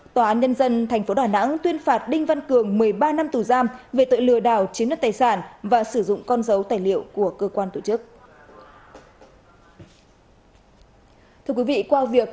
tòa án nhân dân tp đà nẵng tuyên phạt đinh văn cường một mươi ba năm tù giam về tội lừa đảo chiếm đất tài sản và sử dụng con dấu tài liệu của cơ quan tổ chức